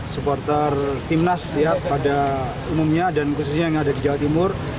supporter timnas pada umumnya dan khususnya yang ada di jawa timur